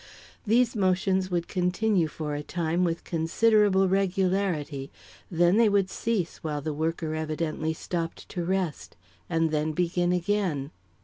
These motions would continue for a time with considerable regularity; then they would cease while the worker evidently stopped to rest, and then begin again.